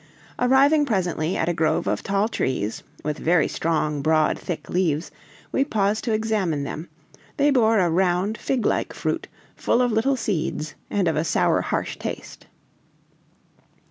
Arriving presently at a grove of tall trees, with very strong, broad thick leaves, we paused to examine them; they bore a round, fig like fruit, full of little seeds and of a sour, harsh taste.